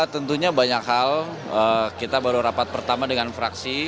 tentunya banyak hal kita baru rapat pertama dengan fraksi